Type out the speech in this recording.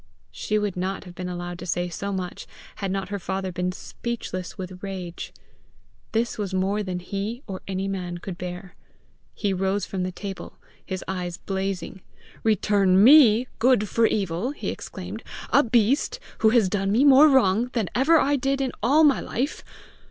She would not have been allowed to say so much, had not her father been speechless with rage. This was more than he or any man could bear! He rose from the table, his eyes blazing. "Return ME good for evil!" he exclaimed; " a beast who has done me more wrong than ever I did in all my life!